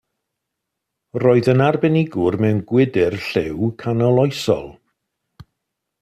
Roedd yn arbenigwr mewn gwydr lliw canoloesol.